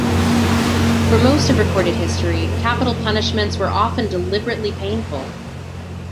For most of recorded history, capital punishments were often deliberately painful.